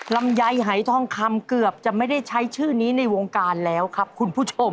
ลำไยหายทองคำเกือบจะไม่ได้ใช้ชื่อนี้ในวงการแล้วครับคุณผู้ชม